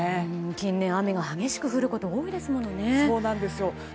近年、雨が激しく降ること多いですもんね。